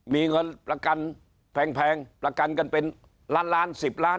มีเงินประกันแพงประกันกันเป็นล้านล้าน๑๐ล้าน